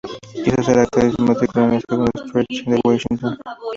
Quiso ser actor y se matricula en el Studio Theatre de Washington.